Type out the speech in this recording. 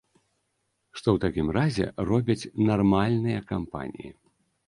Што ў такім разе робяць нармальныя кампаніі?